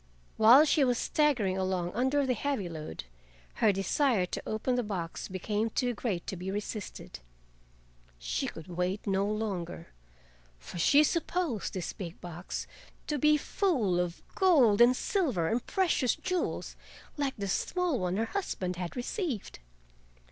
While she was staggering along under the heavy load, her desire to open the box became too great to be resisted. She could wait no longer, for she supposed this big box to be full of gold and silver and precious jewels like the small one her husband had received.